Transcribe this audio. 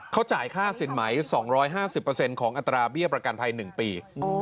เขาจ่ายค่าสินไหม๒๕๐ของอัตราเบี้ยประกันภัย๑ปี